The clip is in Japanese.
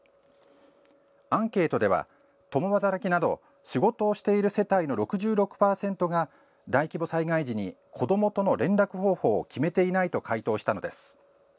アンケートでは、共働きなど仕事をしている世帯の６６％が大規模災害時に、子どもとの連絡方法を決めていないと回答したのです。